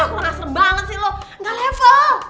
kau kasar banget sih lu gak level